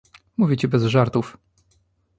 "Mówię ci bez żartów."